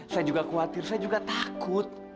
saya juga khawatir saya juga takut